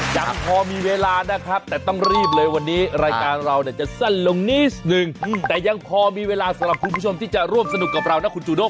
ยังพอมีเวลานะครับแต่ต้องรีบเลยวันนี้รายการเราเนี่ยจะสั้นลงนิดนึงแต่ยังพอมีเวลาสำหรับคุณผู้ชมที่จะร่วมสนุกกับเรานะคุณจูด้ง